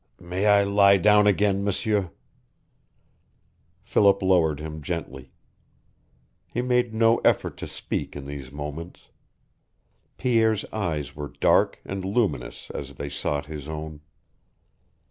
"May I lie down again, M'sieur?" Philip lowered him gently. He made no effort to speak in these moments. Pierre's eyes were dark and luminous as they sought his own.